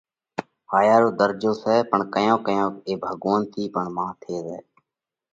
هايا رو ڌرجو سئہ، پڻ ڪيونڪ ڪيونڪ اي ڀڳوونَ ٿِي مانه پڻ ٿي زائه۔